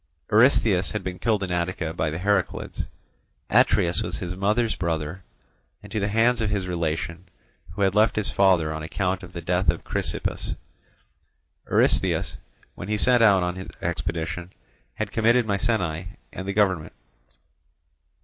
Eurystheus had been killed in Attica by the Heraclids. Atreus was his mother's brother; and to the hands of his relation, who had left his father on account of the death of Chrysippus, Eurystheus, when he set out on his expedition, had committed Mycenæ and the government.